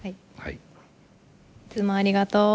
いつもありがとう。